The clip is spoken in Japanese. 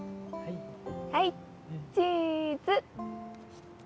はいチーズ！